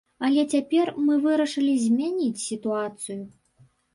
Але цяпер мы вырашылі змяніць сітуацыю.